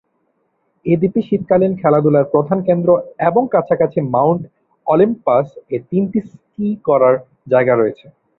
এটি দ্বীপের শীতকালীন খেলাধুলার প্রধান কেন্দ্র এবং কাছাকাছি মাউন্ট অলিম্পাস-এ তিনটি স্কি করার জায়গা রয়েছে।